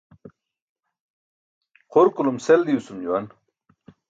Xurkulum sel diwsum juwan.